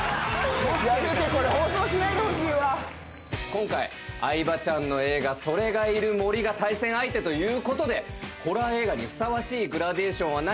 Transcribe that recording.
「今回相葉ちゃんの映画『”それ”がいる森』が対戦相手ということでホラー映画にふさわしいグラデーションはないかと考えてこちらをやりたいと思います！」